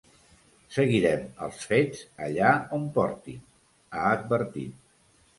“Seguirem els fets allà on portin”, ha advertit.